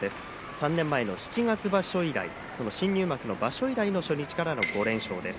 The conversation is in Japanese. ３年前の七月場所以来その新入幕の場所以来の初日からの５連勝です。